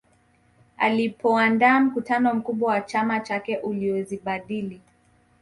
Alipoandaa mkutano mkubwa wa chama chake uliozibadili